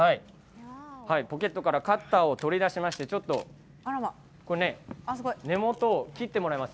ポケットからカッターを取り出しまして根元を切ってもらいます。